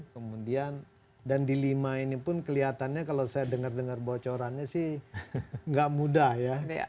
kemudian dan di lima ini pun kelihatannya kalau saya dengar dengar bocorannya sih nggak mudah ya